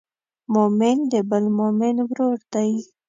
مؤمن د بل مؤمن ورور دی.